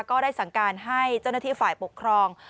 ก็ได้สั่งการให้เจ้าหน้าที่ฝ่ายปกครอง